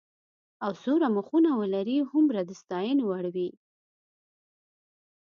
او څومره مخونه ولري هومره د ستاینې وړ وي.